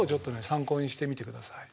参考にしてみてください。